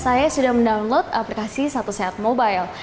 saya sudah mendownload aplikasi satu sehat mobile